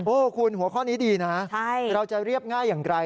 โอ้โหคุณหัวข้อนี้ดีนะเราจะเรียบง่ายอย่างไร